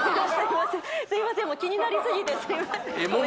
すいませんもう気になりすぎてすいません